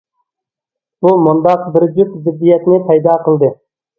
بۇ مۇنداق بىر جۈپ زىددىيەتنى پەيدا قىلدى.